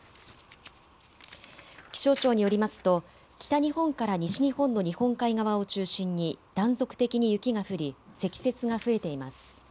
気象庁によりますと北日本から西日本の日本海側を中心に断続的に雪が降り積雪が増えています。